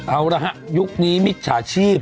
เอาละฮะยุคนี้มิจฉาชีพ